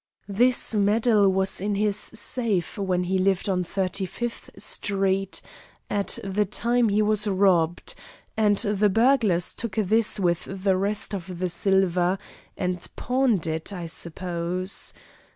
"This medal was in his safe when he lived on Thirty fifth Street at the time he was robbed, and the burglars took this with the rest of the silver and pawned it, I suppose.